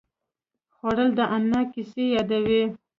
خوړل د انا کیسې یادوي